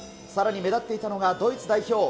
さらに目立っていたのがドイツ代表。